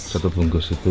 satu bungkus itu